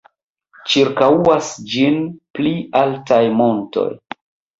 Ĉirkaŭas ĝin pli altaj montoj.